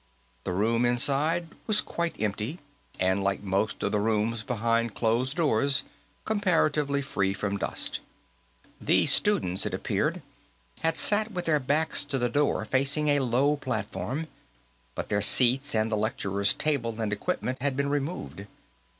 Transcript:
The room inside was quite empty, and, like most of the rooms behind closed doors, comparatively free from dust. The students, it appeared, had sat with their backs to the door, facing a low platform, but their seats and the lecturer's table and equipment had been removed.